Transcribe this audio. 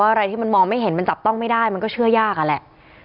อะไรที่มันมองไม่เห็นมันจับต้องไม่ได้มันก็เชื่อยากอะแหละ